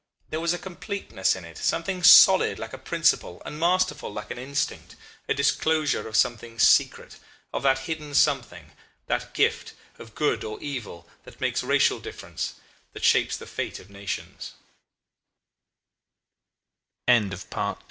There was a completeness in it, something solid like a principle, and masterful like an instinct a disclosure of something secret of that hidden something, that gift, of good or evil that makes racial difference, that shapes the fate of